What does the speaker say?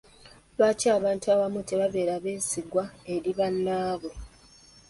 Lwaki abantu abamu tebabeera beesigwa eri bannaabwe?